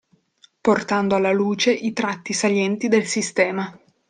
Portando alla luce i tratti salienti del sistema.